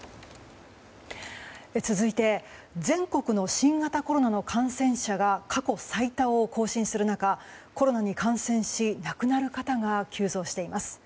続いて全国の新型コロナの感染者が過去最多を更新する中コロナに感染し亡くなる方が急増しています。